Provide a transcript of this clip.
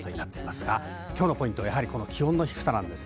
今日のポイントは気温の低さです。